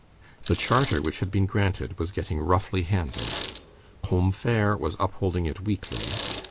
The Charter which had been granted was getting roughly handled. Combeferre was upholding it weakly.